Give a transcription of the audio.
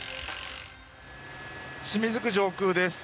清水区上空です。